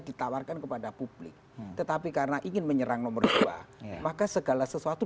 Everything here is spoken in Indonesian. ditawarkan kepada publik tetapi karena ingin menyerang nomor dua maka segala sesuatu